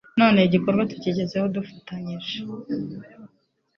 none igikorwa tukigezeho dufatanyije